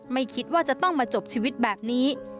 ไม่คิดว่าจะต้องมาจบชีวิตแบบนี้